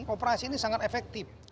operasi ini sangat efektif